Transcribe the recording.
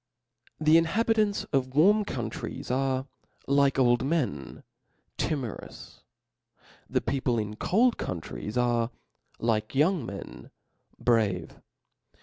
The inhabitants of warm countries are, like old men, timorous i the people in cold countries are, like young men, brave.